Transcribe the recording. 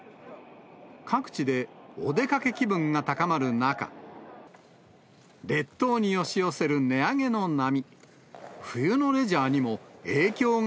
各地でお出かけ気分が高まる中、列島に押し寄せる値上げの波。